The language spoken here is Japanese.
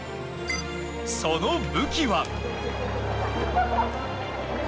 その武器は。